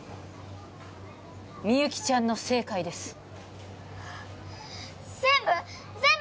みゆきちゃんの正解です全部？